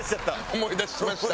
思い出しました。